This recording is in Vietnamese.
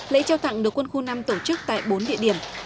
lễ trao tặng được quân khu năm tổ chức tại bốn địa điểm